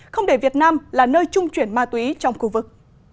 không để việt nam là nơi trung chuyển ma túy trong khu vực